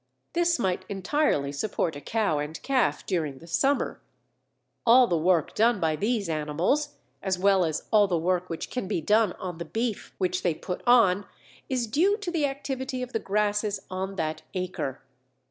This might entirely support a cow and calf during the summer; all the work done by these animals, as well as all the work which can be done on the beef which they put on, is due to the activity of the grasses on that acre.